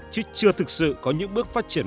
chứ chưa thực sự có những bước phát triển